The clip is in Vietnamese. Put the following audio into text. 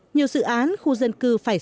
nhiều dự án khu dân cư phải